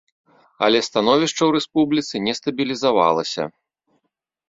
Але становішча ў рэспубліцы не стабілізавалася.